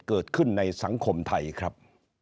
เกิดขึ้นในสังคมไทยครับ